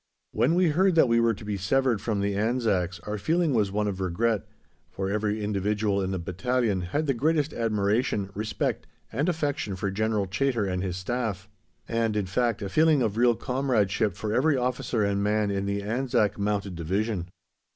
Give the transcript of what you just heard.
When we heard that we were to be severed from the Anzacs our feeling was one of regret, for every individual in the battalion had the greatest admiration, respect, and affection for General Chaytor and his Staff, and, in fact, a feeling of real comradeship for every officer and man in the Anzac Mounted Division.